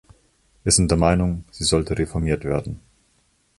Wir sind der Meinung, sie sollte reformiert werden.